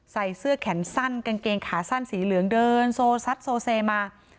ใส่เสื้อแขนสั้นกางเกงขาสั้นสีเหลืองเดินโซซัดโซเซมา